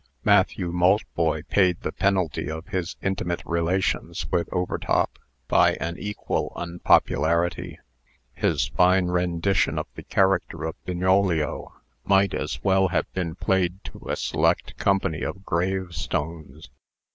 Matthew Maltboy paid the penalty of his intimate relations with Overtop, by an equal unpopularity. His fine rendition of the character of Bignolio might as well have been played to a select company of gravestones.